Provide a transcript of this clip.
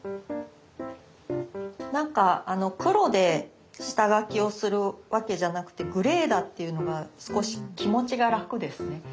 なんか黒で下書きをするわけじゃなくてグレーだっていうのが少し気持ちが楽ですね。